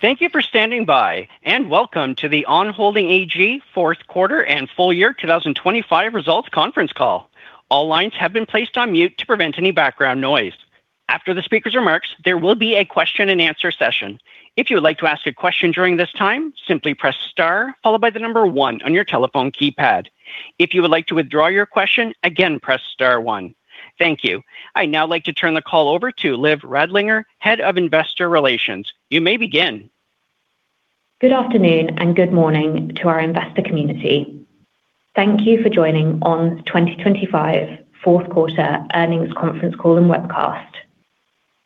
Thank you for standing by. Welcome to the On Holding AG fourth quarter and full year 2025 results conference call. All lines have been placed on mute to prevent any background noise. After the speaker's remarks, there will be a question-and-answer session. If you would like to ask a question during this time, simply press star followed by the number one on your telephone keypad. If you would like to withdraw your question, again, press star one. Thank you. I'd now like to turn the call over to Liv Radlinger, Head of Investor Relations. You may begin. Good afternoon and good morning to our investor community. Thank you for joining On's 2025 fourth quarter earnings conference call and webcast.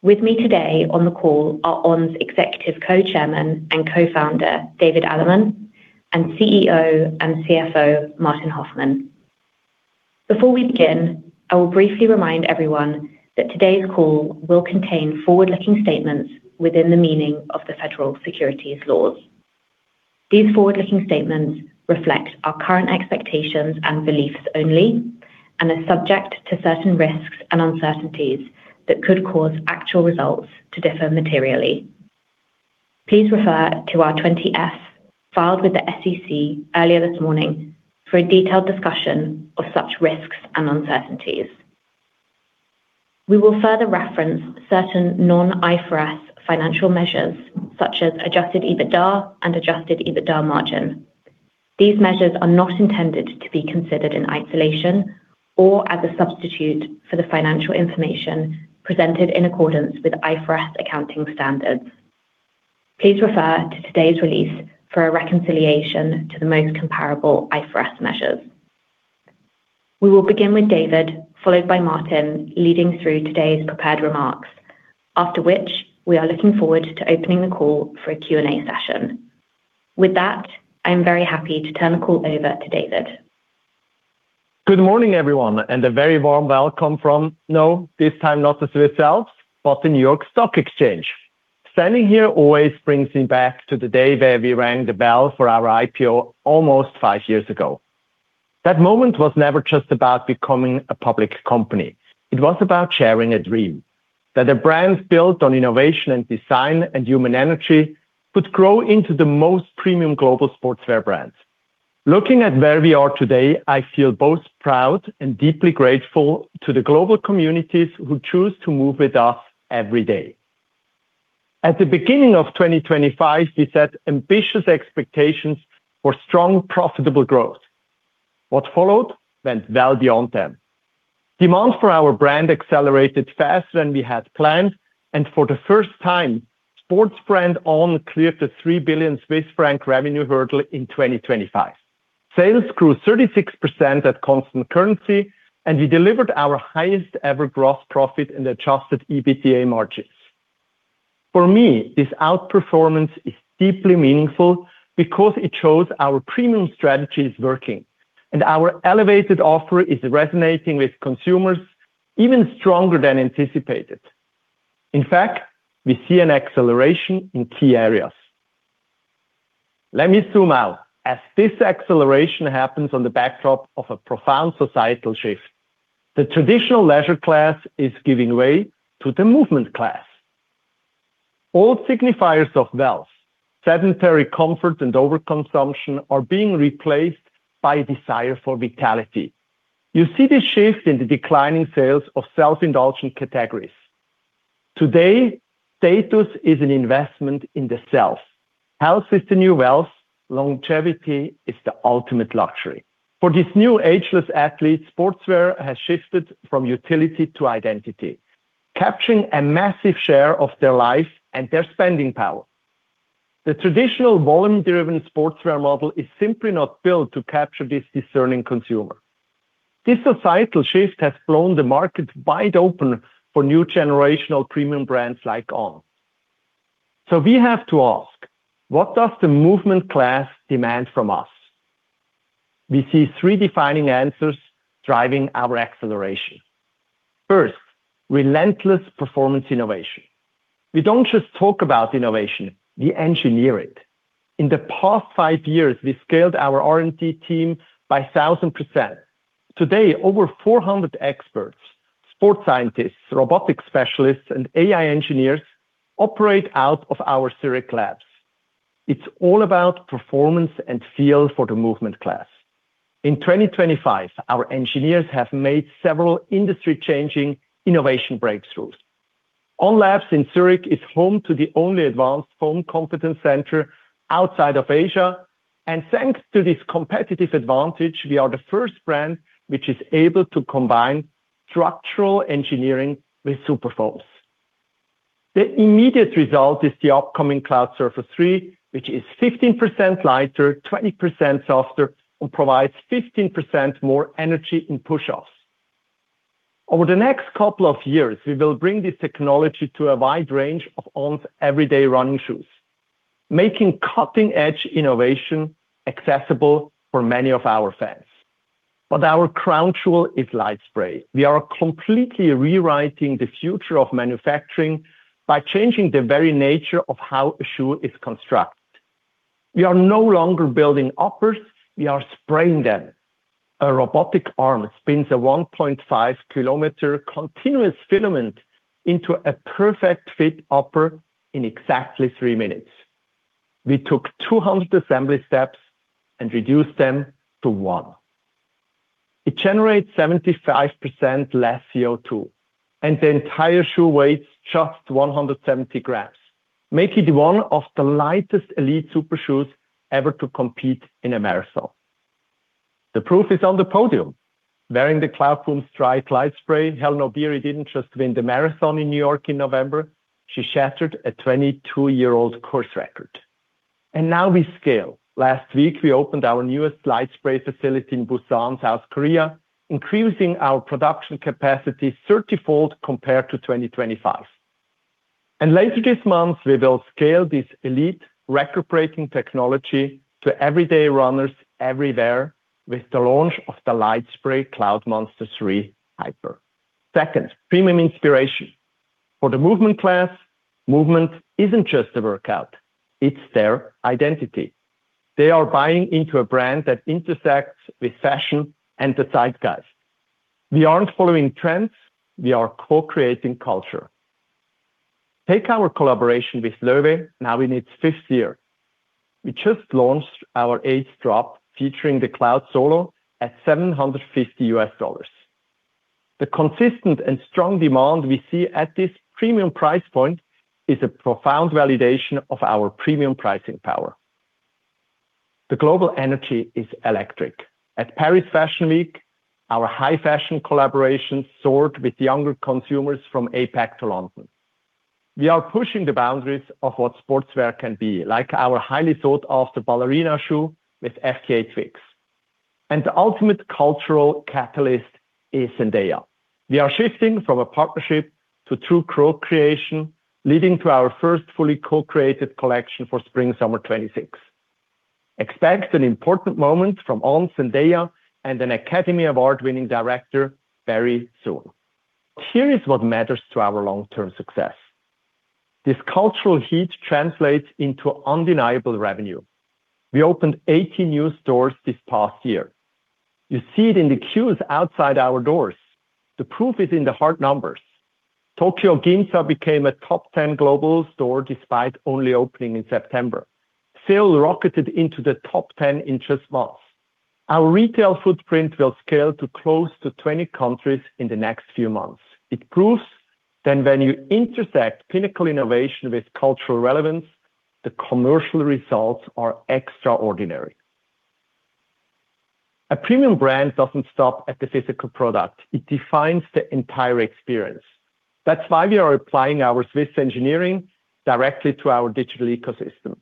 With me today on the call are On's Executive Co-Chairman and Co-Founder, David Allemann, and CEO and CFO, Martin Hoffmann. Before we begin, I will briefly remind everyone that today's call will contain forward-looking statements within the meaning of the federal securities laws. These forward-looking statements reflect our current expectations and beliefs only and are subject to certain risks and uncertainties that could cause actual results to differ materially. Please refer to our Form 20-F filed with the SEC earlier this morning for a detailed discussion of such risks and uncertainties. We will further reference certain non-IFRS financial measures such as adjusted EBITDA and adjusted EBITDA margin. These measures are not intended to be considered in isolation or as a substitute for the financial information presented in accordance with IFRS accounting standards. Please refer to today's release for a reconciliation to the most comparable IFRS measures. We will begin with David, followed by Martin, leading through today's prepared remarks, after which we are looking forward to opening the call for a Q&A session. With that, I am very happy to turn the call over to David. Good morning, everyone. A very warm welcome from, no, this time not the Swiss Alps, but the New York Stock Exchange. Standing here always brings me back to the day where we rang the bell for our IPO almost five years ago. That moment was never just about becoming a public company. It was about sharing a dream that a brand built on innovation and design and human energy could grow into the most premium global sportswear brand. Looking at where we are today, I feel both proud and deeply grateful to the global communities who choose to move with us every day. At the beginning of 2025, we set ambitious expectations for strong, profitable growth. What followed went well beyond them. Demand for our brand accelerated faster than we had planned, and for the first time, sports brand On cleared the 3 billion Swiss franc revenue hurdle in 2025. Sales grew 36% at constant currency, and we delivered our highest ever gross profit in adjusted EBITDA margins. For me, this outperformance is deeply meaningful because it shows our premium strategy is working and our elevated offer is resonating with consumers even stronger than anticipated. In fact, we see an acceleration in key areas. Let me zoom out. As this acceleration happens on the backdrop of a profound societal shift, the traditional leisure class is giving way to the movement class. Old signifiers of wealth, sedentary comfort, and overconsumption are being replaced by desire for vitality. You see this shift in the declining sales of self-indulgent categories. Today, status is an investment in the self. Health is the new wealth. Longevity is the ultimate luxury. For these new ageless athletes, sportswear has shifted from utility to identity, capturing a massive share of their life and their spending power. The traditional volume-driven sportswear model is simply not built to capture this discerning consumer. This societal shift has blown the market wide open for new generational premium brands like On. We have to ask, what does the movement class demand from us? We see three defining answers driving our acceleration. First, relentless performance innovation. We don't just talk about innovation; we engineer it. In the past five years, we scaled our R&D team by 1,000%. Today, over 400 experts, sports scientists, robotics specialists, and AI engineers operate out of our Zurich labs. It's all about performance and feel for the movement class. In 2025, our engineers have made several industry-changing innovation breakthroughs. On Labs in Zurich is home to the only advanced foam competence center outside of Asia. Thanks to this competitive advantage, we are the first brand which is able to combine structural engineering with superfoams. The immediate result is the upcoming Cloudsurfer 3, which is 15% lighter, 20% softer, and provides 15% more energy in push-offs. Over the next couple of years, we will bring this technology to a wide range of On's everyday running shoes, making cutting-edge innovation accessible for many of our fans. Our crown jewel is LightSpray. We are completely rewriting the future of manufacturing by changing the very nature of how a shoe is constructed. We are no longer building uppers, we are spraying them. A robotic arm spins a 1.5 km continuous filament into a perfect fit upper in exactly three minutes. We took 200 assembly steps and reduced them to one. It generates 75% less CO₂, the entire shoe weighs just 170 grams, making it one of the lightest elite super shoes ever to compete in a marathon. The proof is on the podium. Wearing the Cloudboom Strike LightSpray, Hellen Obiri didn't just win the marathon in New York in November, she shattered a 22-year-old course record. Now we scale. Last week, we opened our newest LightSpray facility in Busan, South Korea, increasing our production capacity 30-fold compared to 2025. Later this month, we will scale this elite record-breaking technology to everyday runners everywhere with the launch of the LightSpray Cloudmonster 3 Hyper. Second, premium inspiration. For the movement class, movement isn't just a workout, it's their identity. They are buying into a brand that intersects with fashion and the zeitgeist. We aren't following trends; we are co-creating culture. Take our collaboration with Loewe, now in its fifth year. We just launched our eighth drop featuring the Cloudsolo at $750. The consistent and strong demand we see at this premium price point is a profound validation of our premium pricing power. The global energy is electric. At Paris Fashion Week, our high-fashion collaboration soared with younger consumers from APAC to London. We are pushing the boundaries of what sportswear can be, like our highly sought-after ballerina shoe with FKA twigs. The ultimate cultural catalyst is Zendaya. We are shifting from a partnership to true co-creation, leading to our first fully co-created collection for spring/summer 2026. Expect an important moment from On Zendaya and an Academy of Award-winning director very soon. Here is what matters to our long-term success. This cultural heat translates into undeniable revenue. We opened 80 new stores this past year. You see it in the queues outside our doors. The proof is in the hard numbers. Tokyo Ginza became a top 10 global store despite only opening in September. Seoul rocketed into the top 10 in just months. Our retail footprint will scale to close to 20 countries in the next few months. It proves that when you intersect pinnacle innovation with cultural relevance, the commercial results are extraordinary. A premium brand doesn't stop at the physical product. It defines the entire experience. That's why we are applying our Swiss engineering directly to our digital ecosystem.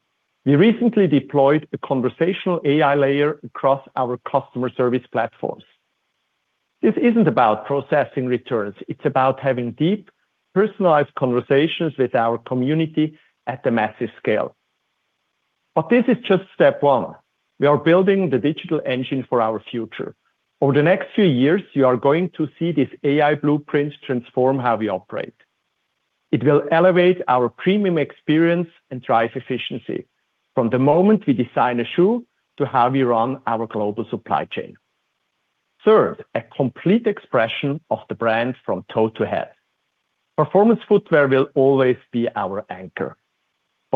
We recently deployed a conversational AI layer across our customer service platforms. This isn't about processing returns. It's about having deep, personalized conversations with our community at a massive scale. This is just step one. We are building the digital engine for our future. Over the next few years, you are going to see this AI blueprint transform how we operate. It will elevate our premium experience and drive efficiency from the moment we design a shoe to how we run our global supply chain. Third, a complete expression of the brand from toe to head. Performance footwear will always be our anchor.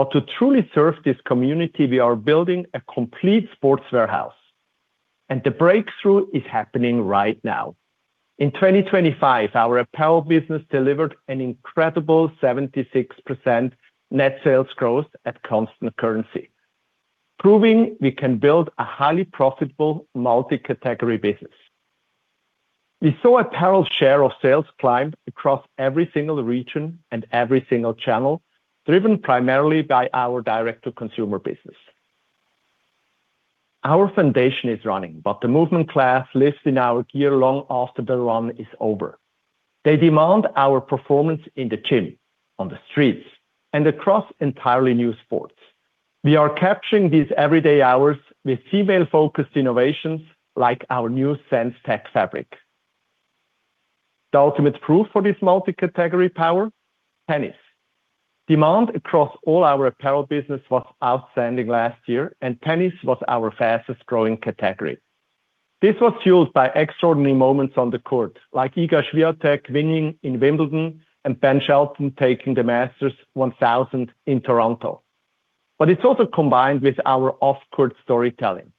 To truly serve this community, we are building a complete sportswear house. The breakthrough is happening right now. In 2025, our apparel business delivered an incredible 76% net sales growth at constant currency, proving we can build a highly profitable multi-category business. We saw apparel share of sales climb across every single region and every single channel, driven primarily by our direct-to-consumer business. Our foundation is running, but the movement class lives in our gear long after the run is over. They demand our performance in the gym, on the streets, and across entirely new sports. We are capturing these everyday hours with female-focused innovations like our new SenseTec fabric. The ultimate proof for this multi-category power? Tennis. Demand across all our apparel business was outstanding last year, and tennis was our fastest-growing category. This was fueled by extraordinary moments on the court, like Iga Świątek winning in Wimbledon and Ben Shelton taking the Masters 1000 in Toronto. It's also combined with our off-court storytelling.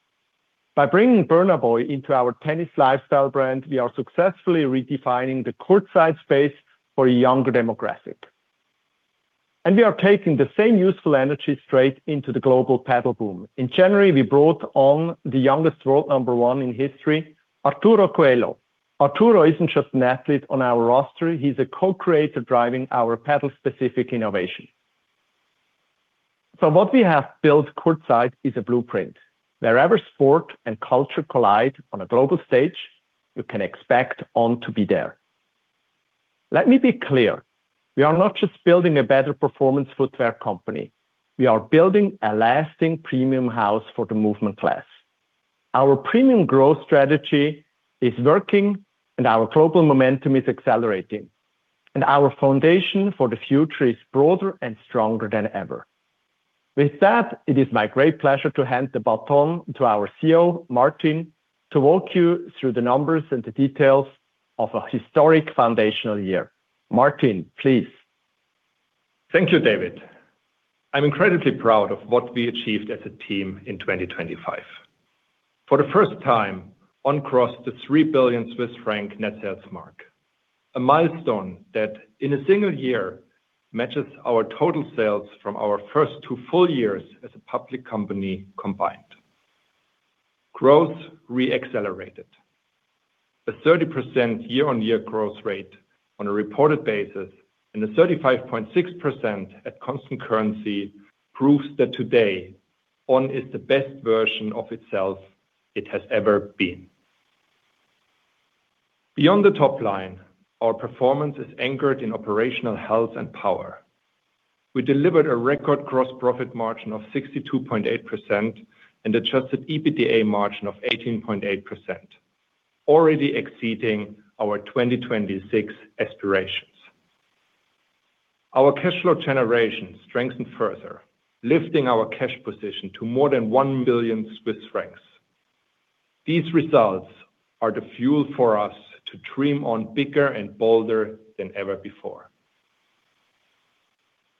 By bringing Burna Boy into our tennis lifestyle brand, we are successfully redefining the courtside space for a younger demographic. We are taking the same useful energy straight into the global padel boom. In January, we brought on the youngest world number one in history, Arturo Coello. Arturo isn't just an athlete on our roster; he's a co-creator driving our padel-specific innovation. What we have built courtside is a blueprint. Wherever sport and culture collide on a global stage, you can expect On to be there. Let me be clear. We are not just building a better performance footwear company. We are building a lasting premium house for the movement class. Our premium growth strategy is working, and our global momentum is accelerating, and our foundation for the future is broader and stronger than ever. With that, it is my great pleasure to hand the baton to our CEO, Martin, to walk you through the numbers and the details of a historic foundational year. Martin, please. Thank you, David. I'm incredibly proud of what we achieved as a team in 2025. For the first time, On crossed the 3 billion Swiss franc net sales mark, a milestone that in a single year matches our total sales from our first two full years as a public company combined. Growth re-accelerated. A 30% year-over-year growth rate on a reported basis and a 35.6% at constant currency proves that today On is the best version of itself it has ever been. Beyond the top line, our performance is anchored in operational health and power. We delivered a record gross profit margin of 62.8% and adjusted EBITDA margin of 18.8%, already exceeding our 2026 aspirations. Our cash flow generation strengthened further, lifting our cash position to more than 1 billion Swiss francs. These results are the fuel for us to 'Dream On' bigger and bolder than ever before.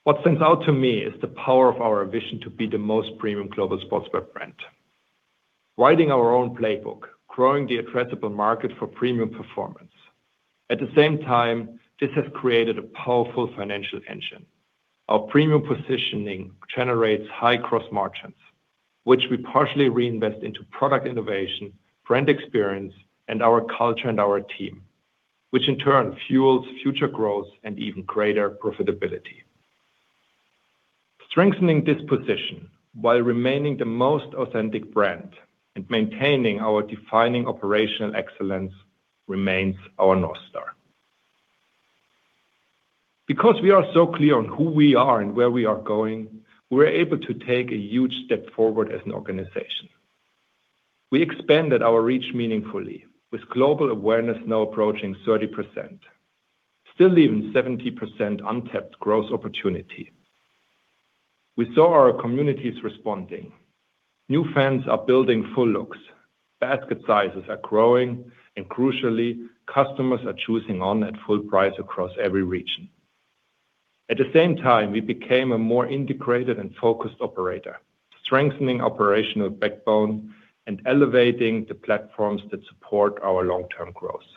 What stands out to me is the power of our vision to be the most premium global sportswear brand. Writing our own playbook, growing the addressable market for premium performance. At the same time, this has created a powerful financial engine. Our premium positioning generates high gross margins, which we partially reinvest into product innovation, brand experience, and our culture and our team, which in turn fuels future growth and even greater profitability. Strengthening this position while remaining the most authentic brand and maintaining our defining operational excellence remains our north star. Because we are so clear on who we are and where we are going, we're able to take a huge step forward as an organization. We expanded our reach meaningfully with global awareness now approaching 30%, still leaving 70% untapped growth opportunity. We saw our communities responding. New fans are building full looks, basket sizes are growing, and crucially, customers are choosing On at full price across every region. At the same time, we became a more integrated and focused operator, strengthening operational backbone and elevating the platforms that support our long-term growth.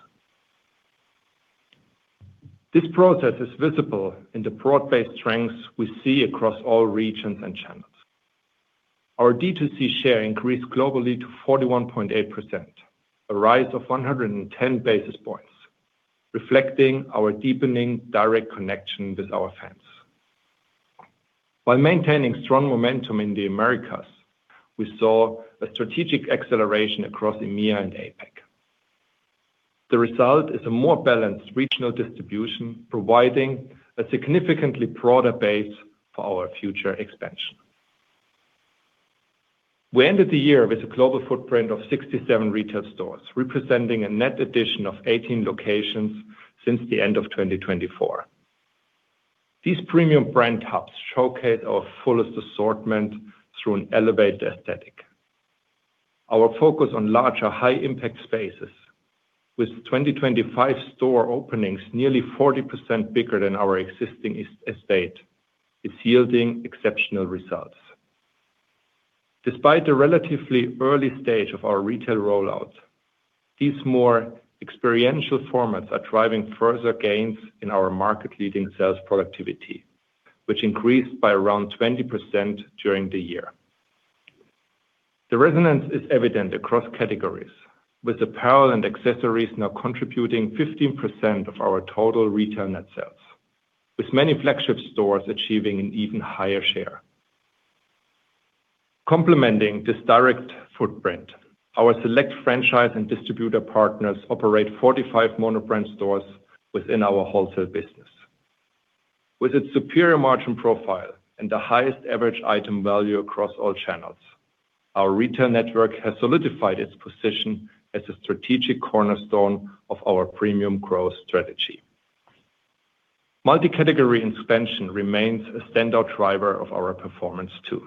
This process is visible in the broad-based strengths we see across all regions and channels. Our DTC share increased globally to 41.8%, a rise of 110 basis points, reflecting our deepening direct connection with our fans. While maintaining strong momentum in the Americas, we saw a strategic acceleration across EMEA and APAC. The result is a more balanced regional distribution, providing a significantly broader base for our future expansion. We ended the year with a global footprint of 67 retail stores, representing a net addition of 18 locations since the end of 2024. These premium brand hubs showcase our fullest assortment through an elevated aesthetic. Our focus on larger high-impact spaces with 2025 store openings, nearly 40% bigger than our existing estate, is yielding exceptional results. Despite the relatively early stage of our retail rollout, these more experiential formats are driving further gains in our market-leading sales productivity, which increased by around 20% during the year. The resonance is evident across categories, with apparel and accessories now contributing 15% of our total retail net sales, with many flagship stores achieving an even higher share. Complementing this direct footprint, our select franchise and distributor partners operate 45 mono-brand stores within our wholesale business. With its superior margin profile and the highest average item value across all channels, our retail network has solidified its position as a strategic cornerstone of our premium growth strategy. Multi-category expansion remains a standout driver of our performance too.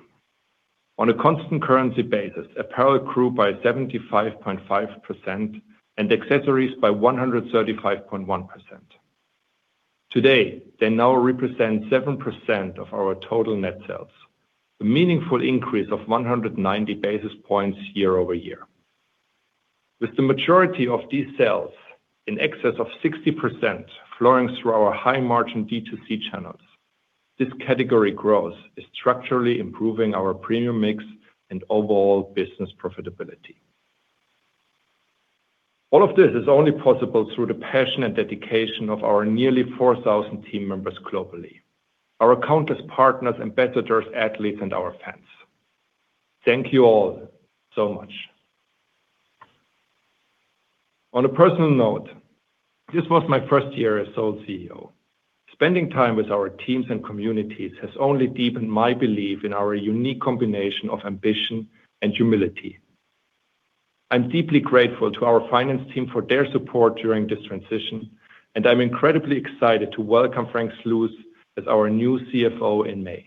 On a constant currency basis, apparel grew by 75.5% and accessories by 135.1%. Today, they now represent 7% of our total net sales, a meaningful increase of 190 basis points year-over-year. With the majority of these sales in excess of 60% flowing through our high-margin DTC channels, this category growth is structurally improving our premium mix and overall business profitability. All of this is only possible through the passion and dedication of our nearly 4,000 team members globally, our countless partners, ambassadors, athletes, and our fans. Thank you all so much. On a personal note, this was my first year as sole CEO. Spending time with our teams and communities has only deepened my belief in our unique combination of ambition and humility. I'm deeply grateful to our finance team for their support during this transition, and I'm incredibly excited to welcome Frank Sluis as our new CFO in May.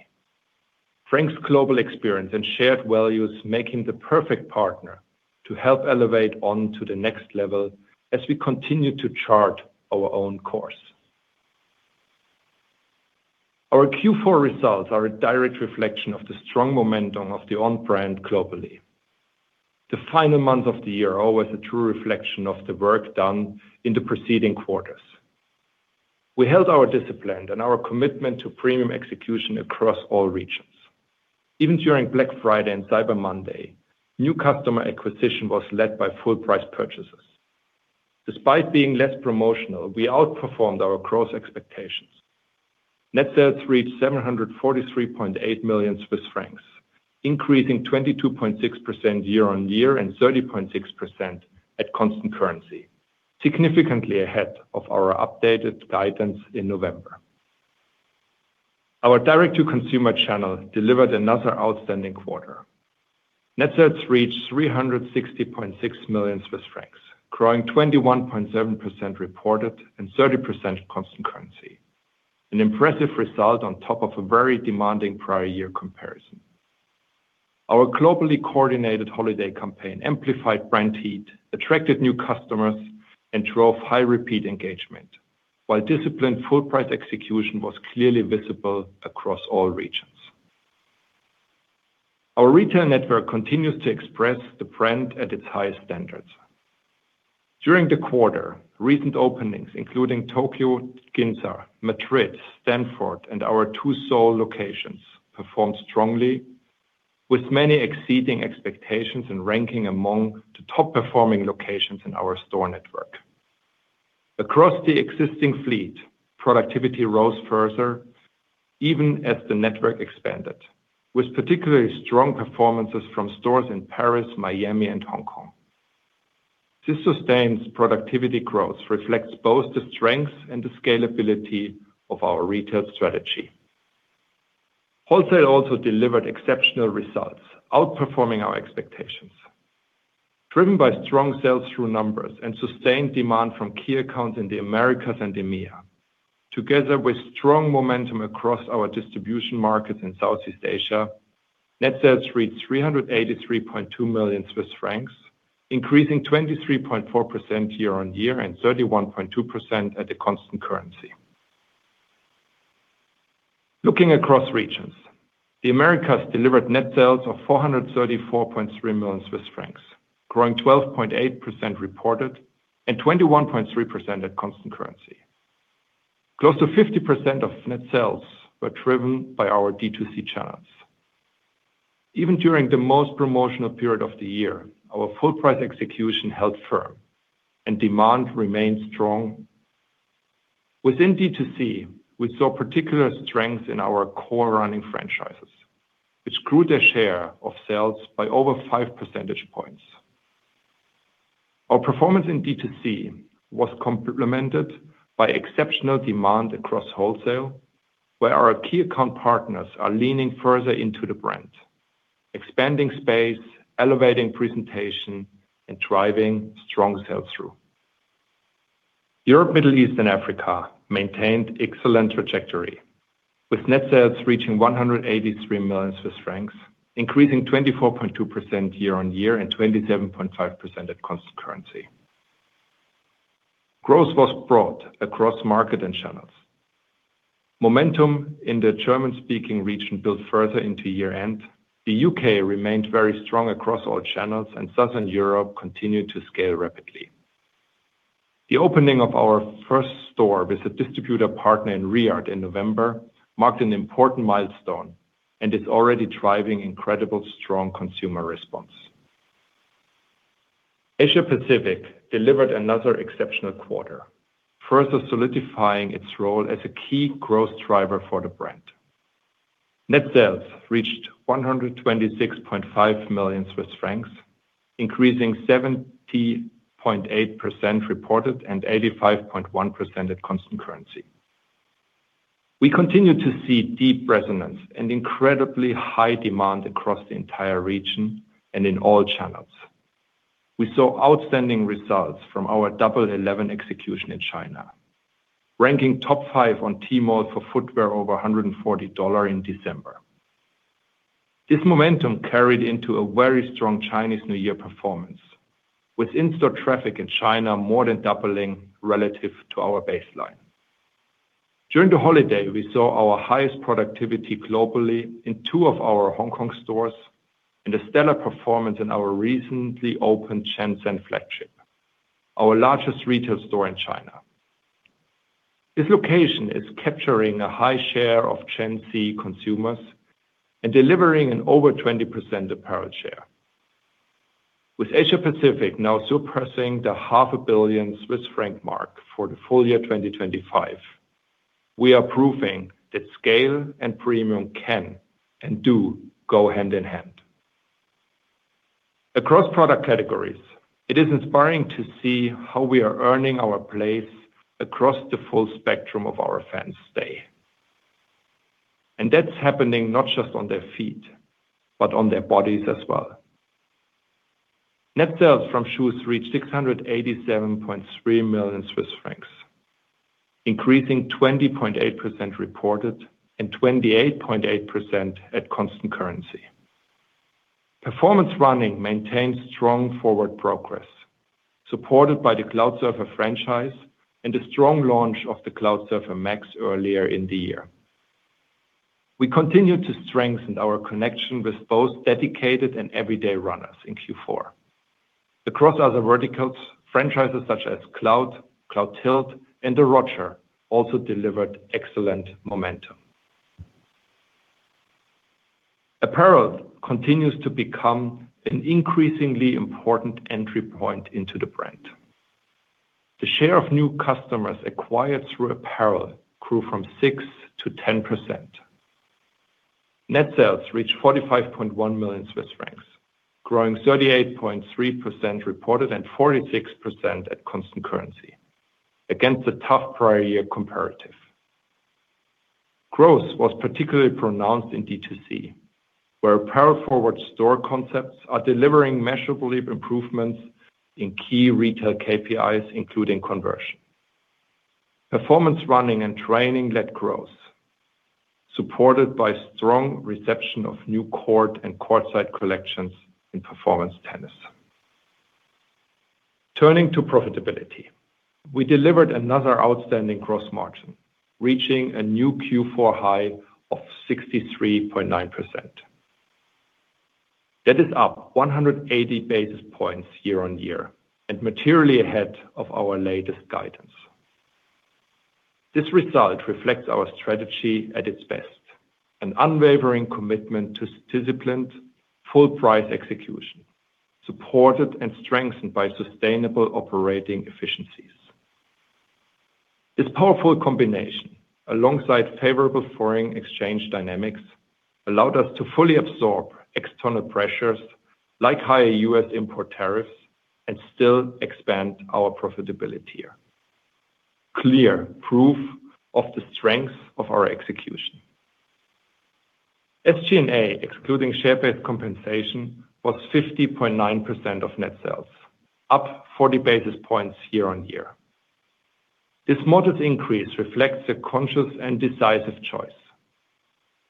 Frank's global experience and shared values make him the perfect partner to help elevate On to the next level as we continue to chart our own course. Our Q4 results are a direct reflection of the strong momentum of the On brand globally. The final month of the year are always a true reflection of the work done in the preceding quarters. We held our discipline and our commitment to premium execution across all regions. Even during Black Friday and Cyber Monday, new customer acquisition was led by full price purchases. Despite being less promotional, we outperformed our gross expectations. Net sales reached 743.8 million Swiss francs, increasing 22.6% year-over-year and 30.6% at constant currency, significantly ahead of our updated guidance in November. Our direct-to-consumer channel delivered another outstanding quarter. Net sales reached 360.6 million Swiss francs, growing 21.7% reported and 30% constant currency. An impressive result on top of a very demanding prior year comparison. Our globally coordinated holiday campaign amplified brand heat, attracted new customers, and drove high repeat engagement, while disciplined full price execution was clearly visible across all regions. Our retail network continues to express the brand at its highest standards. During the quarter, recent openings, including Tokyo, Ginza, Madrid, Stanford, and our two Seoul locations, performed strongly with many exceeding expectations and ranking among the top performing locations in our store network. Across the existing fleet, productivity rose further even as the network expanded, with particularly strong performances from stores in Paris, Miami, and Hong Kong. This sustained productivity growth reflects both the strength and the scalability of our retail strategy. Wholesale also delivered exceptional results, outperforming our expectations. Driven by strong sales through numbers and sustained demand from key accounts in the Americas and EMEA, together with strong momentum across our distribution markets in Southeast Asia, net sales reached 383.2 million Swiss francs, increasing 23.4% year-on-year and 31.2% at the constant currency. Looking across regions, the Americas delivered net sales of 434.3 million Swiss francs, growing 12.8% reported and 21.3% at constant currency. Close to 50% of net sales were driven by our DTC channels. Even during the most promotional period of the year, our full price execution held firm and demand remained strong. Within DTC, we saw particular strength in our core running franchises, which grew their share of sales by over 5 percentage points. Our performance in DTC was complemented by exceptional demand across wholesale, where our key account partners are leaning further into the brand, expanding space, elevating presentation, and driving strong sales through. Europe, Middle East, and Africa maintained excellent trajectory with net sales reaching 183 million Swiss francs, increasing 24.2% year-over-year and 27.5% at constant currency. Growth was brought across market and channels. Momentum in the German-speaking region built further into year-end. The U.K. remained very strong across all channels, Southern Europe continued to scale rapidly. The opening of our first store with a distributor partner in Riyadh in November marked an important milestone, it's already driving incredible strong consumer response. Asia-Pacific delivered another exceptional quarter, further solidifying its role as a key growth driver for the brand. Net sales reached 126.5 million Swiss francs, increasing 70.8% reported and 85.1% at constant currency. We continue to see deep resonance and incredibly high demand across the entire region and in all channels. We saw outstanding results from our Double 11 execution in China, ranking top five on Tmall for footwear over CHF 140 in December. This momentum carried into a very strong Chinese New Year performance, with in-store traffic in China more than doubling relative to our baseline. During the holiday, we saw our highest productivity globally in two of our Hong Kong stores and a stellar performance in our recently opened Shenzhen flagship, our largest retail store in China. This location is capturing a high share of Gen Z consumers and delivering an over 20% apparel share. With Asia-Pacific now surpassing the half a billion Swiss franc mark for the full year 2025. We are proving that scale and premium can and do go hand in hand. Across product categories, it is inspiring to see how we are earning our place across the full spectrum of our fan stay. That's happening not just on their feet, but on their bodies as well. Net sales from shoes reached 687.3 million Swiss francs, increasing 20.8% reported and 28.8% at constant currency. Performance running maintains strong forward progress, supported by the Cloudsurfer franchise and the strong launch of the Cloudsurfer Max earlier in the year. We continue to strengthen our connection with both dedicated and everyday runners in Q4. Across other verticals, franchises such as Cloud, Cloudtilt, and the Roger also delivered excellent momentum. Apparel continues to become an increasingly important entry point into the brand. The share of new customers acquired through apparel grew from 6% to 10%. Net sales reached 45.1 million Swiss francs, growing 38.3% reported and 46% at constant currency against a tough prior year comparative. Growth was particularly pronounced in DTC, where apparel forward store concepts are delivering measurable improvements in key retail KPIs, including conversion. Performance running and training led growth, supported by strong reception of new court and courtside collections in performance tennis. Turning to profitability, we delivered another outstanding gross margin, reaching a new Q4 high of 63.9%. That is up 180 basis points year-over-year and materially ahead of our latest guidance. This result reflects our strategy at its best, an unwavering commitment to disciplined full price execution, supported and strengthened by sustainable operating efficiencies. This powerful combination, alongside favorable foreign exchange dynamics, allowed us to fully absorb external pressures like higher U.S. import tariffs and still expand our profitability here. Clear proof of the strength of our execution. SG&A, excluding share-based compensation, was 50.9% of net sales, up 40 basis points year-over-year. This modest increase reflects a conscious and decisive choice.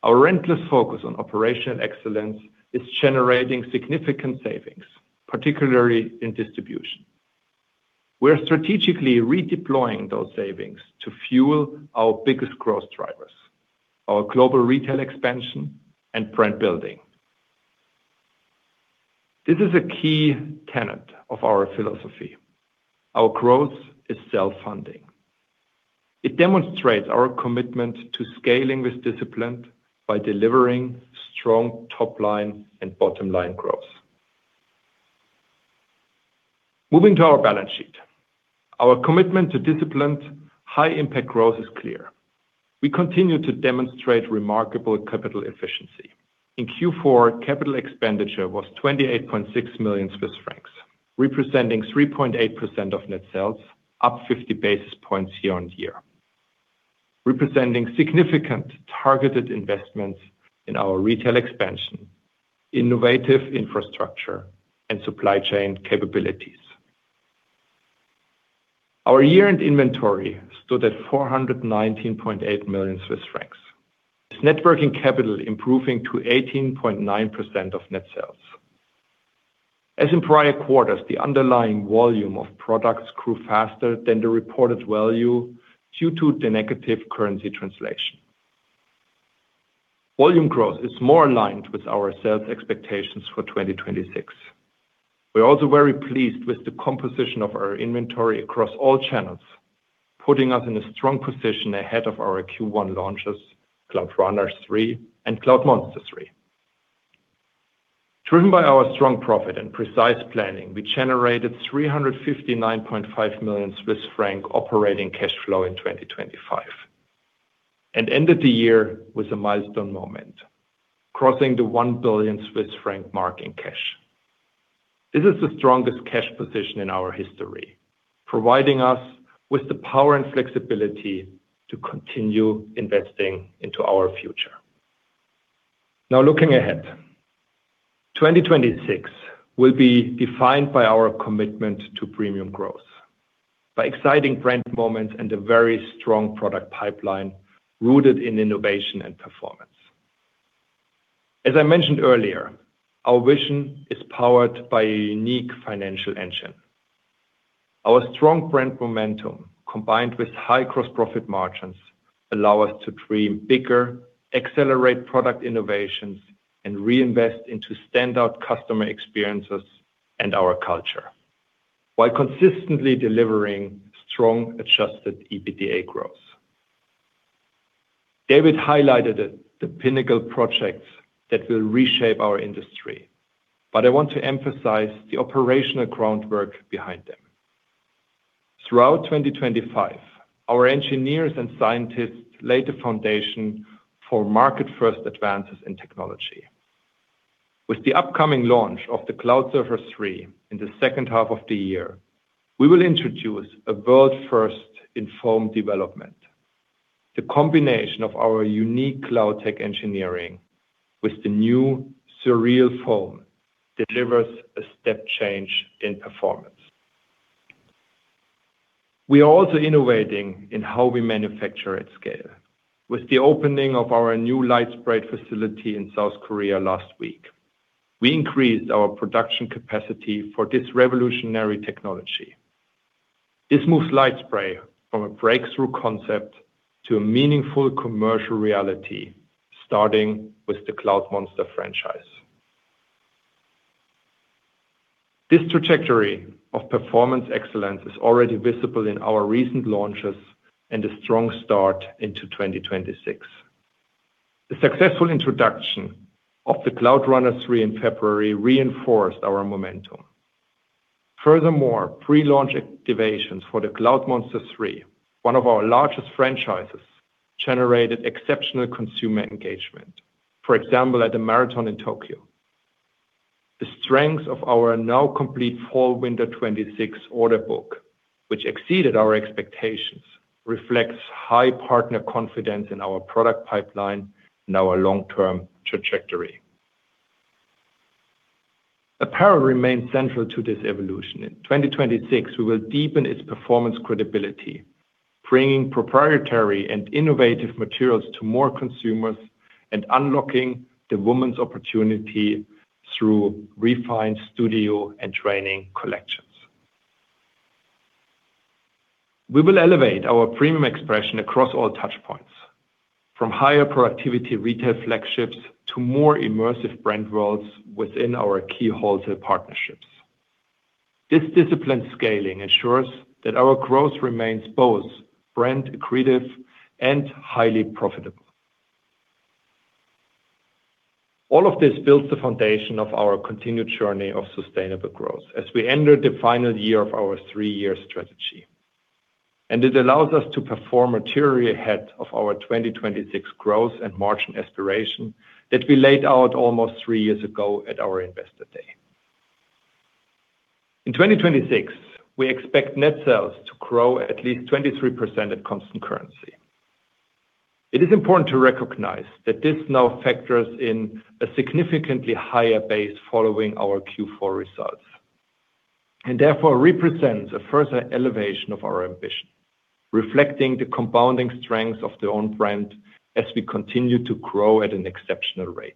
Our relentless focus on operational excellence is generating significant savings, particularly in distribution. We are strategically redeploying those savings to fuel our biggest growth drivers, our global retail expansion and brand building. This is a key tenet of our philosophy. Our growth is self-funding. It demonstrates our commitment to scaling with discipline by delivering strong top line and bottom-line growth. Moving to our balance sheet. Our commitment to disciplined high-impact growth is clear. We continue to demonstrate remarkable capital efficiency. In Q4, capital expenditure was 28.6 million Swiss francs, representing 3.8% of net sales, up 50 basis points year-on-year, representing significant targeted investments in our retail expansion, innovative infrastructure, and supply chain capabilities. Our year-end inventory stood at 419.8 million Swiss francs, with net working capital improving to 18.9% of net sales. As in prior quarters, the underlying volume of products grew faster than the reported value due to the negative currency translation. Volume growth is more aligned with our sales expectations for 2026. We are also very pleased with the composition of our inventory across all channels, putting us in a strong position ahead of our Q1 launches, Cloudrunner 3 and Cloudmonster 3. Driven by our strong profit and precise planning, we generated 359.5 million Swiss franc operating cash flow in 2025 and ended the year with a milestone moment, crossing the 1 billion Swiss franc mark in cash. This is the strongest cash position in our history, providing us with the power and flexibility to continue investing into our future. Now, looking ahead. 2026 will be defined by our commitment to premium growth by exciting brand moments and a very strong product pipeline rooted in innovation and performance. As I mentioned earlier, our vision is powered by a unique financial engine. Our strong brand momentum, combined with high gross profit margins, allow us to dream bigger, accelerate product innovations, and reinvest into standout customer experiences and our culture while consistently delivering strong adjusted EBITDA growth. David highlighted it, the pinnacle projects that will reshape our industry, but I want to emphasize the operational groundwork behind them. Throughout 2025, our engineers and scientists laid the foundation for market-first advances in technology. With the upcoming launch of the Cloudsurfer 3 in the second half of the year, we will introduce a world-first in foam development. The combination of our unique CloudTec engineering with the new SURREAL foam delivers a step change in performance. We are also innovating in how we manufacture at scale. With the opening of our new LightSpray facility in South Korea last week, we increased our production capacity for this revolutionary technology. This moves LightSpray from a breakthrough concept to a meaningful commercial reality, starting with the Cloudmonster franchise. This trajectory of performance excellence is already visible in our recent launches and a strong start into 2026. The successful introduction of the Cloudrunner 3 in February reinforced our momentum. Furthermore, pre-launch activations for the Cloudmonster 3, one of our largest franchises, generated exceptional consumer engagement. For example, at the marathon in Tokyo. The strength of our now complete fall/winter 2026 order book, which exceeded our expectations, reflects high partner confidence in our product pipeline and our long-term trajectory. Apparel remains central to this evolution. In 2026, we will deepen its performance credibility, bringing proprietary and innovative materials to more consumers and unlocking the women's opportunity through refined studio and training collections. We will elevate our premium expression across all touchpoints, from higher productivity retail flagships to more immersive brand worlds within our key wholesale partnerships. This disciplined scaling ensures that our growth remains both brand accretive and highly profitable. All of this builds the foundation of our continued journey of sustainable growth as we enter the final year of our 3-year strategy. It allows us to perform materially ahead of our 2026 growth and margin aspiration that we laid out almost three years ago at our Investor Day. In 2026, we expect net sales to grow at least 23% at constant currency. It is important to recognize that this now factors in a significantly higher base following our Q4 results, and therefore represents a further elevation of our ambition, reflecting the compounding strength of the On brand as we continue to grow at an exceptional rate.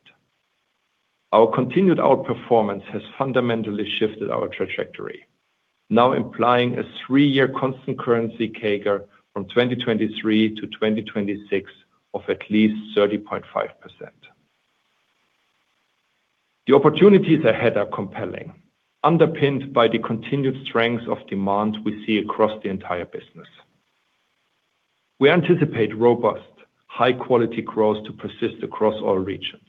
Our continued outperformance has fundamentally shifted our trajectory. Now implying a three-year constant currency CAGR from 2023 to 2026 of at least 30.5%. The opportunities ahead are compelling, underpinned by the continued strength of demand we see across the entire business. We anticipate robust, high-quality growth to persist across all regions.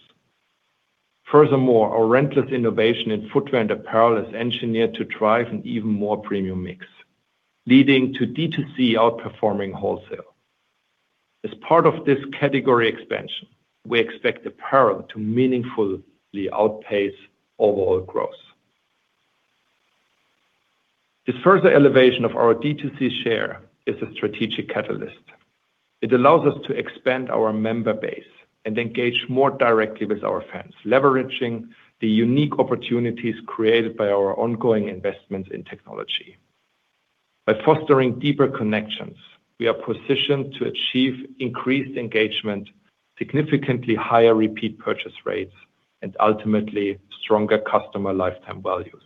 Our relentless innovation in footwear and apparel is engineered to drive an even more premium mix, leading to DTC outperforming wholesale. As part of this category expansion, we expect apparel to meaningfully outpace overall growth. This further elevation of our DTC share is a strategic catalyst. It allows us to expand our member base and engage more directly with our fans, leveraging the unique opportunities created by our ongoing investments in technology. By fostering deeper connections, we are positioned to achieve increased engagement, significantly higher repeat purchase rates, and ultimately, stronger customer lifetime values.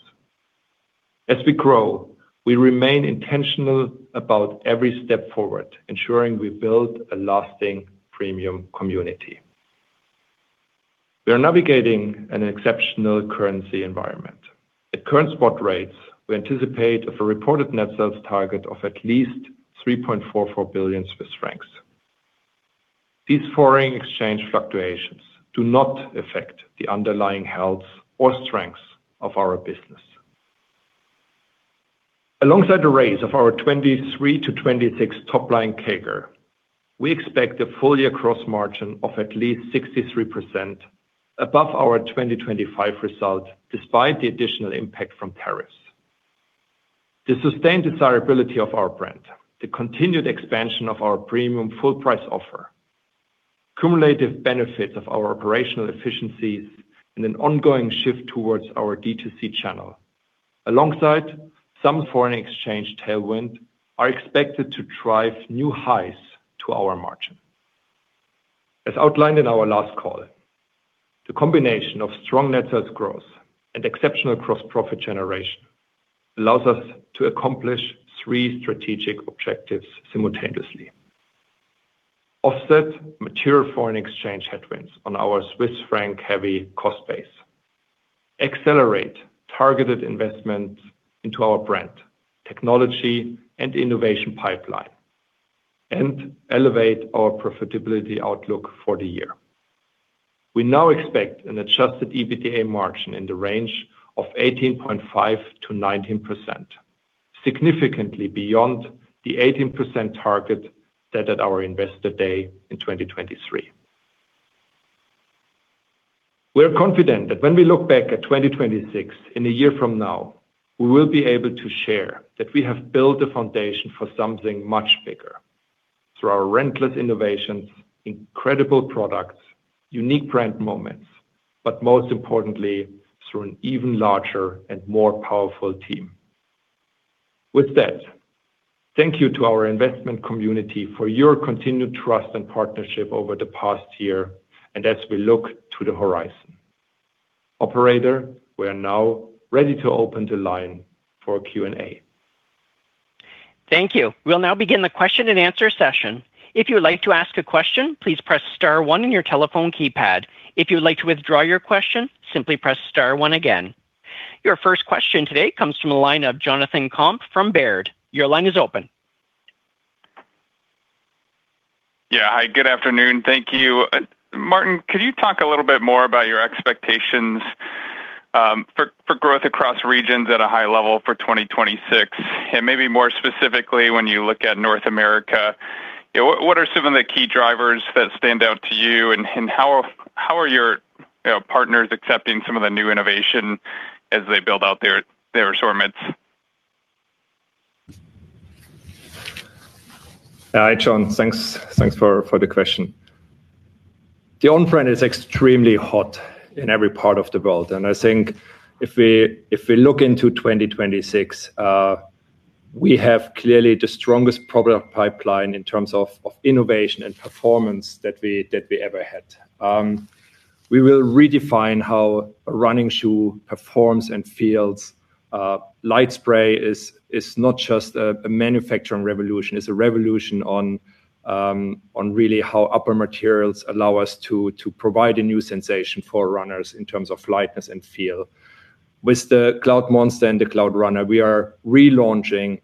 As we grow, we remain intentional about every step forward, ensuring we build a lasting premium community. We are navigating an exceptional currency environment. At current spot rates, we anticipate a reported net sales target of at least 3.44 billion Swiss francs. These foreign exchange fluctuations do not affect the underlying health or strength of our business. Alongside the raise of our 2023-2026 topline CAGR, we expect a full-year gross margin of at least 63% above our 2025 result, despite the additional impact from tariffs. The sustained desirability of our brand, the continued expansion of our premium full-price offer, cumulative benefits of our operational efficiencies, and an ongoing shift towards our DTC channel, alongside some foreign exchange tailwind, are expected to drive new highs to our margin. As outlined in our last call, the combination of strong net sales growth and exceptional gross profit generation allows us to accomplish three strategic objectives simultaneously. Offset material foreign exchange headwinds on our Swiss franc-heavy cost base. Accelerate targeted investments into our brand, technology, and innovation pipeline, and elevate our profitability outlook for the year. We now expect an adjusted EBITDA margin in the range of 18.5%-19%, significantly beyond the 18% target set at our Investor Day in 2023. We are confident that when we look back at 2026 in a year from now, we will be able to share that we have built a foundation for something much bigger through our relentless innovations, incredible products, unique brand moments, but most importantly, through an even larger and more powerful team. With that, thank you to our investment community for your continued trust and partnership over the past year and as we look to the horizon. Operator, we are now ready to open the line for Q&A. Thank you. We'll now begin the question-and-answer session. If you would like to ask a question, please press star one on your telephone keypad. If you would like to withdraw your question, simply press star one again. Your first question today comes from the line of Jonathan Komp from Baird. Your line is open. Hi, good afternoon. Thank you. Martin, could you talk a little bit more about your expectations for growth across regions at a high level for 2026? Maybe more specifically, when you look at North America, you know, what are some of the key drivers that stand out to you and how are your, you know, partners accepting some of the new innovation as they build out their assortments? Hi, Jon. Thanks for the question. The On brand is extremely hot in every part of the world. I think if we look into 2026, we have clearly the strongest product pipeline in terms of innovation and performance that we ever had. We will redefine how a running shoe performs and feels. LightSpray is not just a manufacturing revolution, it's a revolution on really how upper materials allow us to provide a new sensation for runners in terms of lightness and feel. With the Cloudmonster and the Cloudrunner, we are relaunching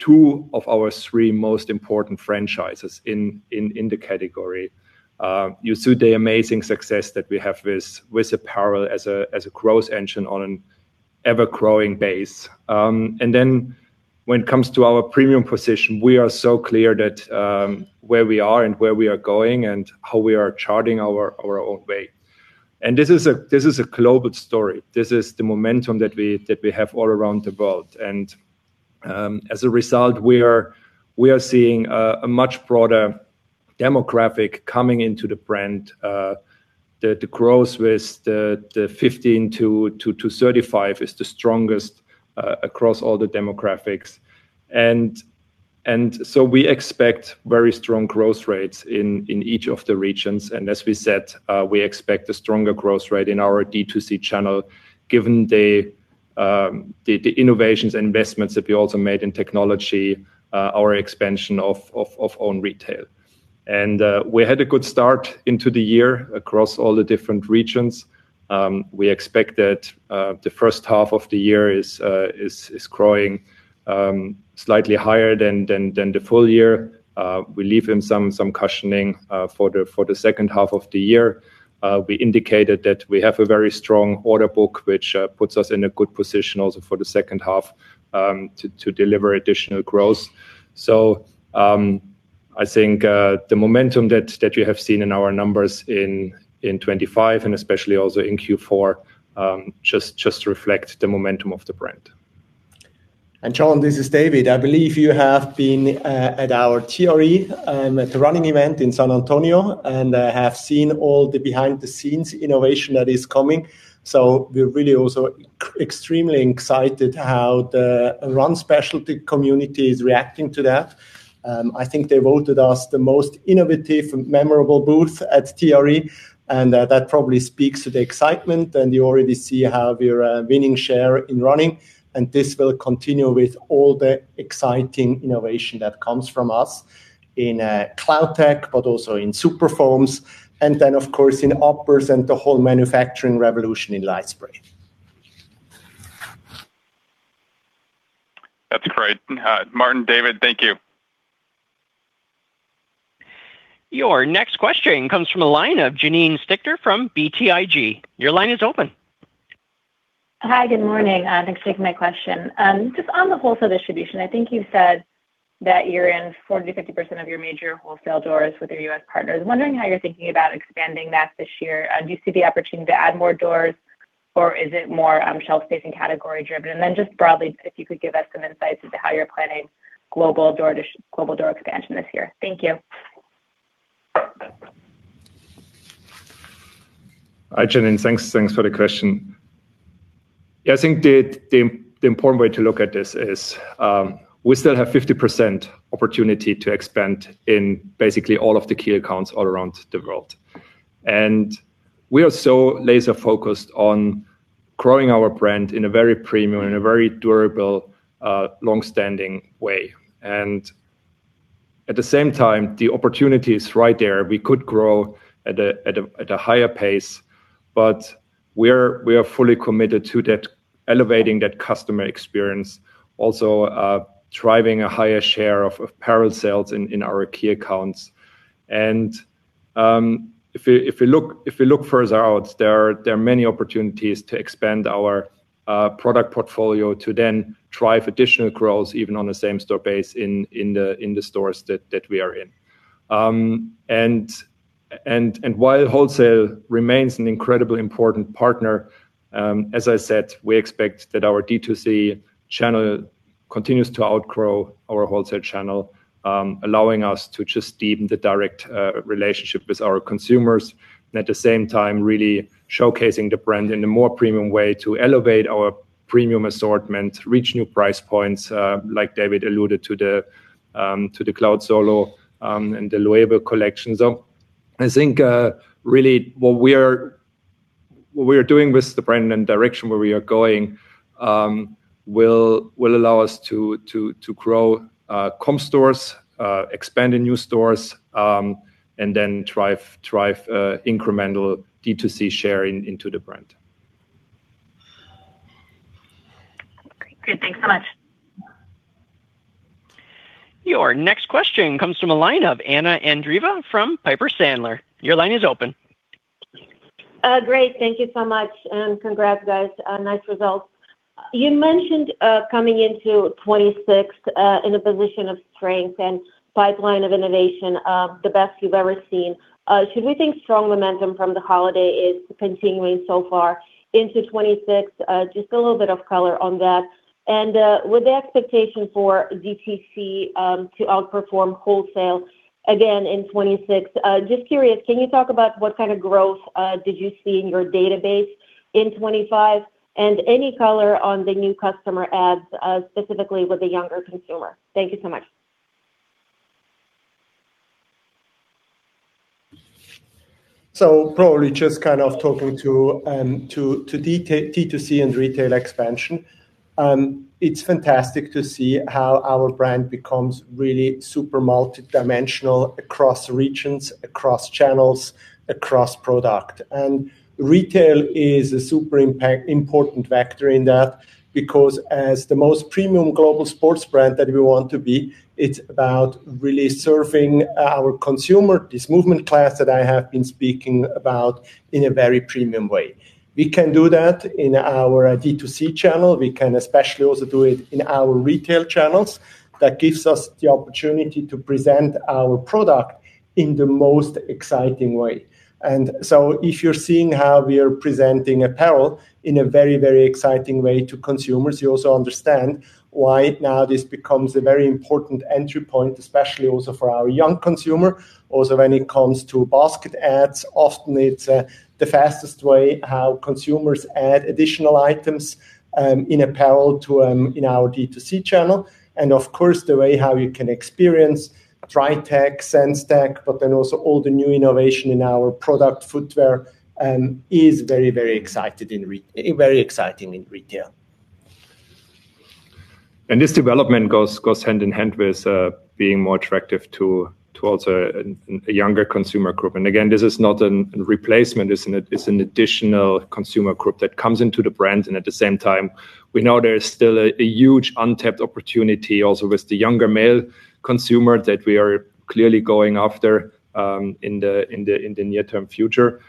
two of our three most important franchises in the category. You saw the amazing success that we have with apparel as a growth engine on an ever-growing base. Then when it comes to our premium position, we are so clear that where we are and where we are going and how we are charting our own way. This is a global story. This is the momentum that we have all around the world. As a result, we are seeing a much broader demographic coming into the brand. The growth with the 15 to 35 is the strongest across all the demographics. We expect very strong growth rates in each of the regions. As we said, we expect a stronger growth rate in our DTC channel given the innovations and investments that we also made in technology, our expansion of own retail. We had a good start into the year across all the different regions. We expect that the first half of the year is growing slightly higher than the full year. We leave in some cushioning for the second half of the year. We indicated that we have a very strong order book, which puts us in a good position also for the second half to deliver additional growth. I think the momentum that you have seen in our numbers in 2025 and especially also in Q4 just reflect the momentum of the brand. Jon, this is David. I believe you have been at our TRE, at The Running Event in San Antonio, and have seen all the behind-the-scenes innovation that is coming. We're really also extremely excited how the run specialty community is reacting to that. I think they voted us the most innovative and memorable booth at TRE, and that probably speaks to the excitement. You already see how we're winning share in running, and this will continue with all the exciting innovation that comes from us in CloudTec, but also in superfoams, and of course in uppers and the whole manufacturing revolution in LightSpray. That's great. Martin, David, thank you. Your next question comes from the line of Janine Stichter from BTIG. Your line is open. Hi. Good morning. Thanks for taking my question. Just on the wholesale distribution, I think you said that you're in 40%-50% of your major wholesale doors with your U.S. partners. I'm wondering how you're thinking about expanding that this year. Do you see the opportunity to add more doors, or is it more, shelf spacing category-driven? Just broadly, if you could give us some insights into how you're planning global door expansion this year. Thank you. Hi, Janine. Thanks for the question. Yeah, I think the important way to look at this is, we still have 50% opportunity to expand in basically all of the key accounts all around the world. We are so laser-focused on growing our brand in a very premium, in a very durable, long-standing way. At the same time, the opportunity is right there. We could grow at a higher pace, but we are fully committed to that elevating that customer experience. Also, driving a higher share of apparel sales in our key accounts. If you look further out, there are many opportunities to expand our product portfolio to then drive additional growth even on the same store base in the stores that we are in. While wholesale remains an incredibly important partner, as I said, we expect that our DTC channel continues to outgrow our wholesale channel, allowing us to just deepen the direct relationship with our consumers. At the same time, really showcasing the brand in a more premium way to elevate our premium assortment, reach new price points, like David alluded to the Cloudsolo and the Loewe collection. I think really what we are doing with the brand and direction where we are going will allow us to grow comp stores, expand in new stores, and then drive incremental DTC share into the brand. Great. Great, thanks so much. Your next question comes from a line of Anna Andreeva from Piper Sandler. Your line is open. Great. Thank you so much and congrats guys on nice results. You mentioned coming into 2026 in a position of strength and pipeline of innovation, the best you've ever seen. Should we think strong momentum from the holiday is continuing so far into 2026? Just a little bit of color on that. With the expectation for DTC to outperform wholesale again in 2026, just curious, can you talk about what kind of growth did you see in your database in 2025 and any color on the new customer adds specifically with the younger consumer? Thank you so much. Probably just kind of talking to DTC and retail expansion, it's fantastic to see how our brand becomes really super multidimensional across regions, across channels, across product. Retail is a super important factor in that because as the most premium global sports brand that we want to be, it's about really serving our consumer, this movement class that I have been speaking about in a very premium way. We can do that in our DTC channel. We can especially also do it in our retail channels. That gives us the opportunity to present our product in the most exciting way. If you're seeing how we are presenting apparel in a very, very exciting way to consumers, you also understand why now this becomes a very important entry point, especially also for our young consumer. When it comes to basket adds, often it's the fastest way how consumers add additional items in apparel to in our DTC channel. The way how you can experience DryTec, SenseTec, but then also all the new innovation in our product footwear, is very exciting in retail. This development goes hand in hand with being more attractive towards a younger consumer group. Again, this is not a replacement. It's an additional consumer group that comes into the brand. At the same time, we know there is still a huge, untapped opportunity also with the younger male consumer that we are clearly going after in the near-term future.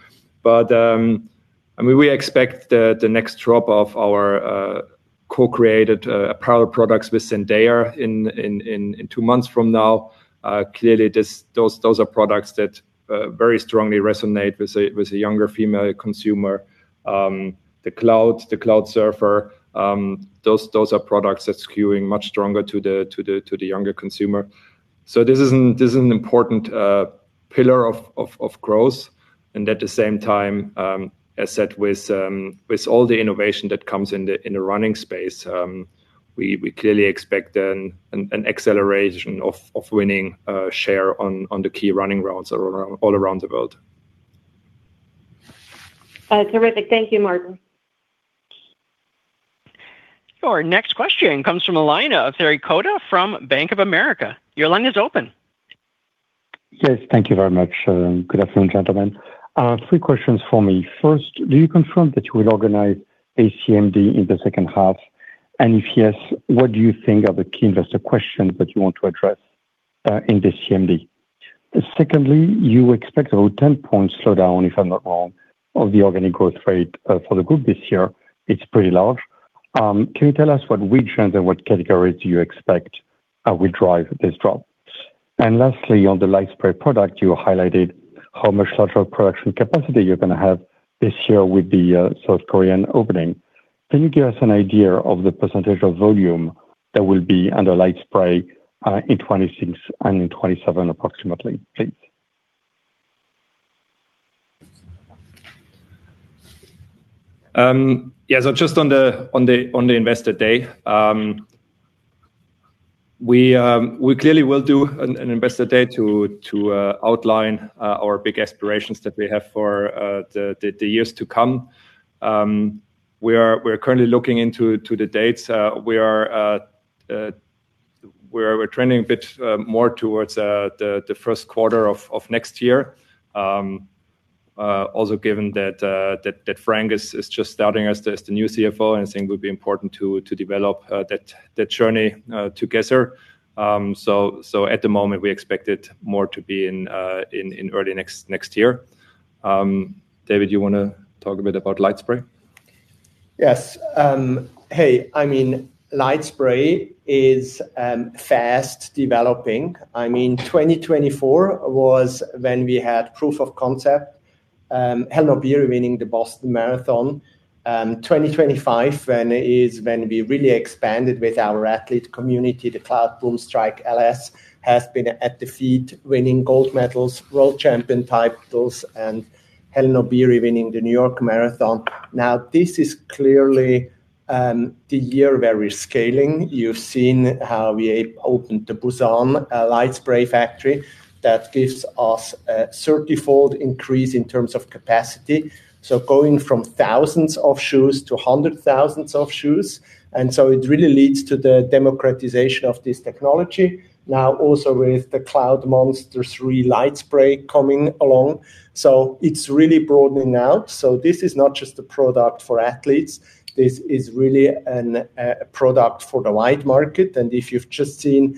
We expect the next drop of our co-created apparel products with Zendaya in two months from now. Clearly those are products that very strongly resonate with a younger female consumer. The Cloud, the Cloudsurfer, those are products that skewing much stronger to the younger consumer. This is an important pillar of growth. At the same time, as said with all the innovation that comes in the running space, we clearly expect an acceleration of winning share on the key running routes all around the world. Terrific. Thank you, Martin. Your next question comes from a line of Thierry Cota from Bank of America. Your line is open. Yes, thank you very much. Good afternoon, gentlemen. Three questions for me. First, do you confirm that you will organize a CMD in the second half? If yes, what do you think are the key investor questions that you want to address in the CMD? Secondly, you expect about 10 points slow down, if I'm not wrong, of the organic growth rate for the group this year. It's pretty large. Can you tell us what regions and what categories you expect will drive this drop? Lastly, on the LightSpray product, you highlighted how much larger production capacity you're gonna have this year with the South Korean opening. Can you give us an idea of the percentage of volume that will be under LightSpray in 2026 and in 2027 approximately, please? Yeah. Just on the Investor Day. We clearly will do an Investor Day to outline our big aspirations that we have for the years to come. We are currently looking into the dates. We are trending a bit more towards the first quarter of next year. Also given that Frank is just starting as the new CFO, and I think it would be important to develop that journey together. At the moment we expect it more to be in early next year. David, you wanna talk a bit about LightSpray? Yes. I mean, LightSpray is fast developing. I mean, 2024 was when we had proof of concept, Hellen Obiri winning the Boston Marathon. 2025 when we really expanded with our athlete community. The Cloudboom Strike LS has been at the feet winning gold medals, world champion titles, and Hellen Obiri winning the New York Marathon. This is clearly the year where we're scaling. You've seen how we opened the Busan LightSpray factory that gives us a 30-fold increase in terms of capacity. Going from thousands of shoes to hundreds of thousands of shoes, it really leads to the democratization of this technology. Also, with the Cloudmonster 3 LightSpray coming along, it's really broadening out. This is not just a product for athletes. This is really a product for the wide market. If you've just seen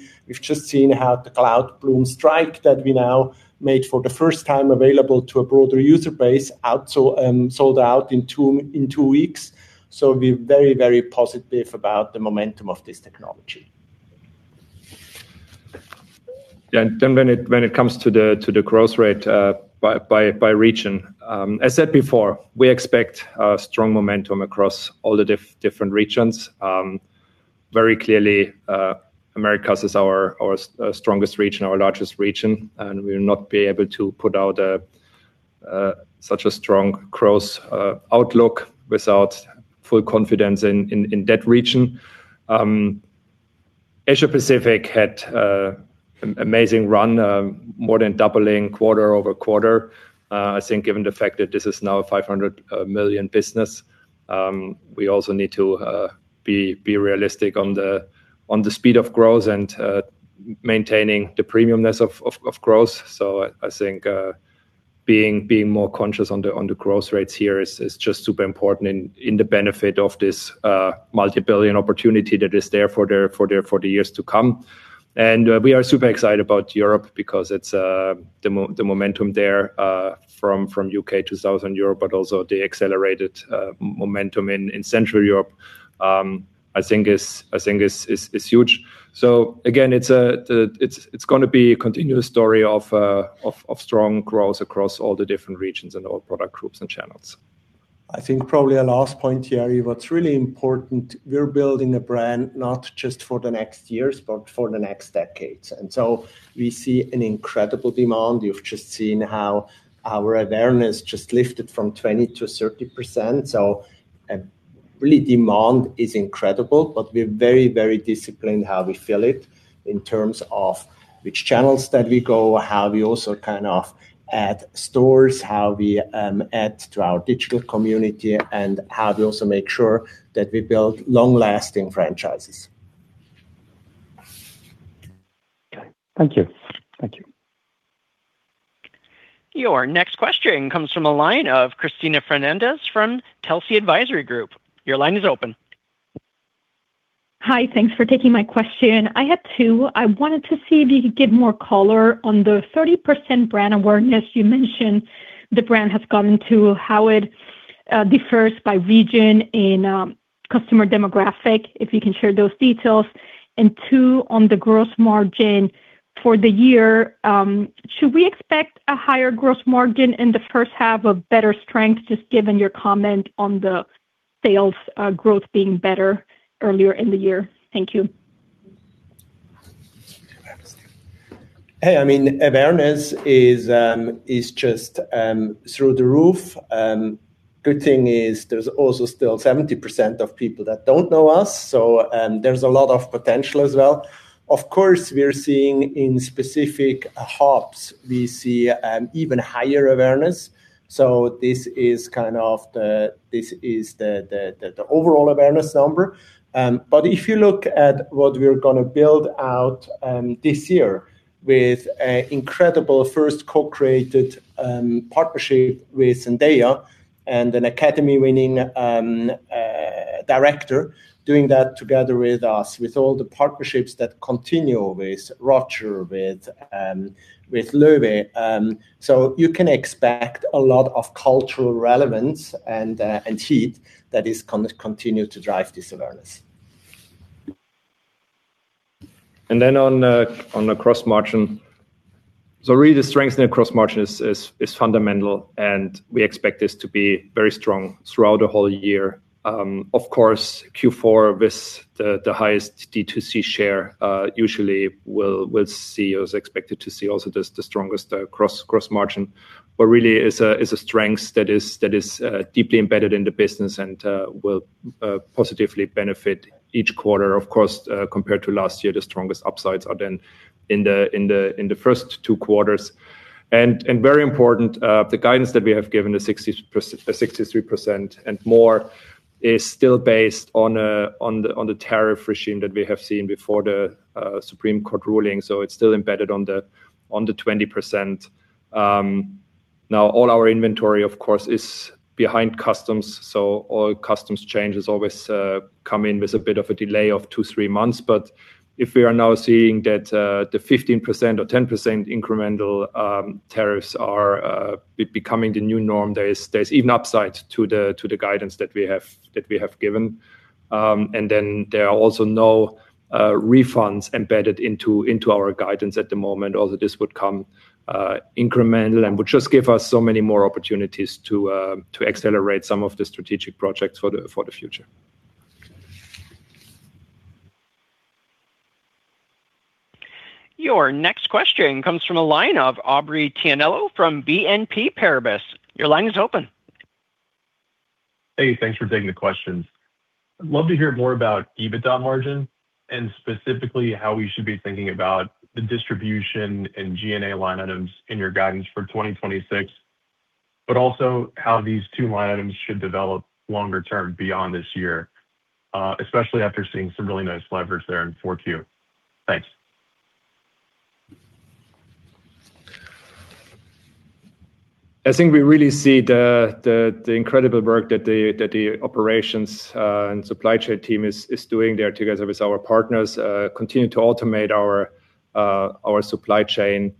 how the Cloudboom Strike that we now made for the first time available to a broader user base sold out in two weeks. We're very positive about the momentum of this technology. When it comes to the growth rate by region, I said before, we expect strong momentum across all the different regions. Very clearly, Americas is our strongest region, our largest region, and we'll not be able to put out a such a strong growth outlook without full confidence in that region. Asia-Pacific had an amazing run, more than doubling quarter-over-quarter. I think given the fact that this is now a 500 million business, we also need to be realistic on the speed of growth and maintaining the premium-ness of growth. I think being more conscious on the growth rates here is just super important in the benefit of this multi-billion opportunity that is there for the years to come. We are super excited about Europe because it's the momentum there, from U.K. to Southern Europe, but also the accelerated momentum in Central Europe, I think is huge. Again, it's gonna be a continuous story of strong growth across all the different regions and all product groups and channels. I think probably a last point, Thierry. What's really important, we're building a brand not just for the next years, but for the next decades. We see an incredible demand. You've just seen how our awareness just lifted from 20% to 30%. Really demand is incredible, but we're very, very disciplined how we fill it in terms of which channels that we go, how we also kind of add stores, how we add to our digital community, and how we also make sure that we build long-lasting franchises. Okay. Thank you. Thank you. Your next question comes from the line of Cristina Fernández from Telsey Advisory Group. Your line is open. Hi. Thanks for taking my question. I had two. I wanted to see if you could give more color on the 30% brand awareness you mentioned the brand has gotten to, how it differs by region in customer demographic, if you can share those details. Two, on the gross margin for the year, should we expect a higher gross margin in the first half of better strength, just given your comment on the sales growth being better earlier in the year? Thank you. Hey. I mean, awareness is just, through the roof. Good thing is there's also still 70% of people that don't know us, so, there's a lot of potential as well. Of course, we are seeing in specific hubs, we see, even higher awareness. This is the overall awareness number. If you look at what we're gonna build out, this year with a incredible first co-created, partnership with Zendaya and an Academy-winning, director doing that together with us, with all the partnerships that continue with Roger, with Loewe. You can expect a lot of cultural relevance and heat that is continue to drive this awareness. On the gross margin. Really the strength in the gross margin is fundamental, and we expect this to be very strong throughout the whole year. Of course, Q4 with the highest DTC share, usually we'll see or is expected to see also the strongest gross margin. Really is a strength that is deeply embedded in the business and will positively benefit each quarter. Of course, compared to last year, the strongest upsides are then in the first two quarters. Very important, the guidance that we have given, the 63% and more, is still based on the tariff regime that we have seen before the Supreme Court ruling. It's still embedded on the 20%. All our inventory, of course, is behind customs. All customs changes always come in with a bit of a delay of two, three months. If we are now seeing that the 15% or 10% incremental tariffs are becoming the new norm, there's even upside to the guidance that we have given. There are also no refunds embedded into our guidance at the moment, although this would come incremental and would just give us so many more opportunities to accelerate some of the strategic projects for the future. Your next question comes from a line of Aubrey Tianello from BNP Paribas. Your line is open. Hey, thanks for taking the questions. I'd love to hear more about EBITDA margin and specifically how we should be thinking about the distribution and G&A line items in your guidance for 2026, but also how these two line items should develop longer term beyond this year, especially after seeing some really nice levers there in 4Q. Thanks. I think we really see the incredible work that the operations and supply chain team is doing there together with our partners, continue to automate our supply chain,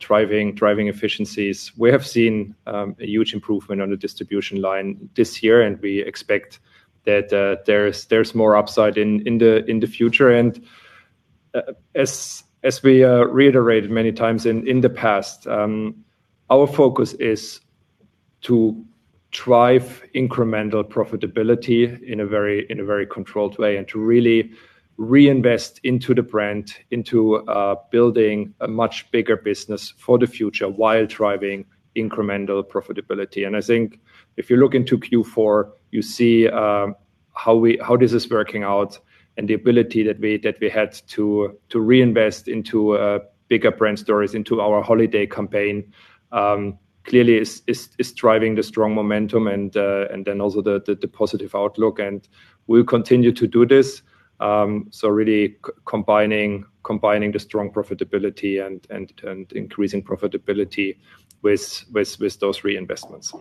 driving efficiencies. We have seen a huge improvement on the distribution line this year, and we expect that there's more upside in the future. As we reiterated many times in the past, our focus is to drive incremental profitability in a very controlled way and to really reinvest into the brand, into building a much bigger business for the future while driving incremental profitability. I think if you look into Q4, you see, how this is working out and the ability that we had to reinvest into bigger brand stories, into our holiday campaign, clearly is driving the strong momentum and then also the positive outlook. We'll continue to do this. Really combining the strong profitability and increasing profitability with those reinvestments.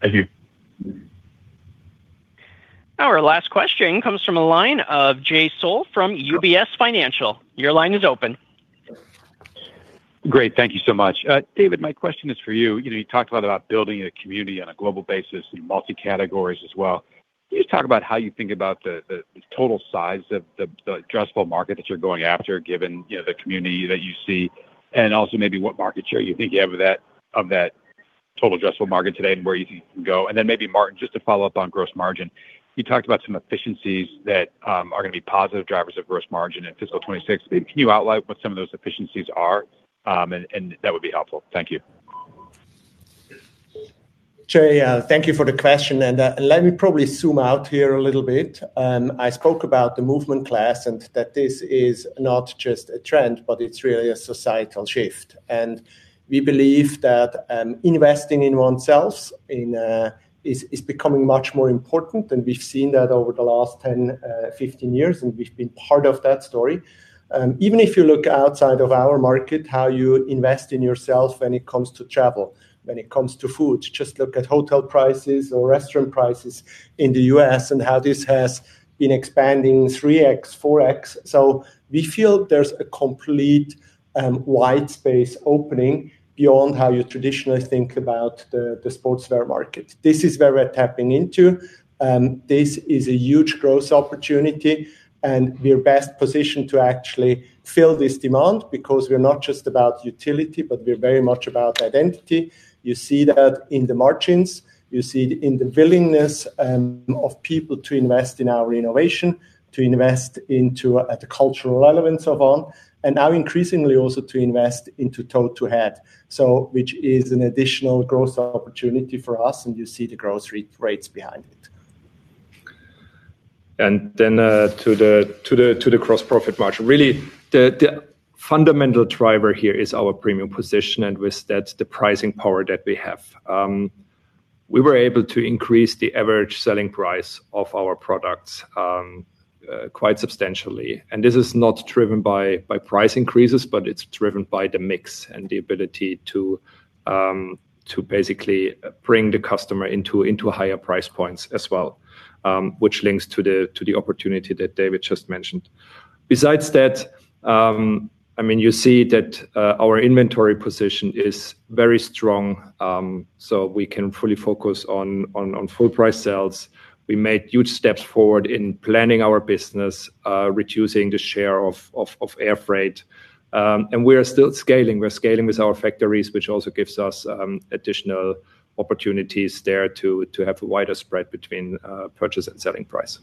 Thank you. Our last question comes from a line of Jay Sole from UBS Financial. Your line is open. Great. Thank you so much. David, my question is for you. You know, you talked a lot about building a community on a global basis in multi-categories as well. Can you just talk about how you think about the total size of the addressable market that you're going after, given, you know, the community that you see, and also maybe what market share you think you have of that total addressable market today and where you think you can go? Then maybe Martin, just to follow up on gross margin, you talked about some efficiencies that are gonna be positive drivers of gross margin in fiscal 2026. Can you outline what some of those efficiencies are? That would be helpful. Thank you. Jay, thank you for the question. Let me probably zoom out here a little bit. I spoke about the movement class and that this is not just a trend, but it's really a societal shift. We believe that investing in oneself in is becoming much more important, and we've seen that over the last 10, 15 years, and we've been part of that story. Even if you look outside of our market, how you invest in yourself when it comes to travel, when it comes to food. Just look at hotel prices or restaurant prices in the U.S. and how this has been expanding 3x, 4x. We feel there's a complete wide space opening beyond how you traditionally think about the sportswear market. This is where we're tapping into. This is a huge growth opportunity, and we're best positioned to actually fill this demand because we're not just about utility, but we're very much about identity. You see that in the margins. You see it in the willingness of people to invest in our innovation, to invest into the cultural relevance of On. Now increasingly also to invest into toe to head, which is an additional growth opportunity for us, and you see the growth rates behind it. To the gross profit margin. Really, the fundamental driver here is our premium position, and with that, the pricing power that we have. We were able to increase the average selling price of our products quite substantially. This is not driven by price increases, but it's driven by the mix and the ability to basically bring the customer into higher price points as well, which links to the opportunity that David just mentioned. Besides that, I mean, you see that our inventory position is very strong, we can fully focus on full price sales. We made huge steps forward in planning our business, reducing the share of air freight. We are still scaling. We're scaling with our factories, which also gives us additional opportunities there to have a wider spread between purchase and selling price.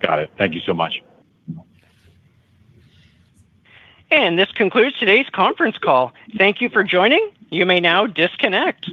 Got it. Thank you so much. This concludes today's conference call. Thank you for joining. You may now disconnect.